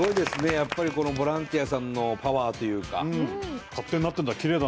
やっぱりこのボランティアさんのパワーというか。